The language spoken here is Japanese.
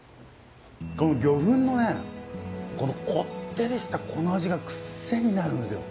魚粉のねこってりしたこの味が癖になるんですよ。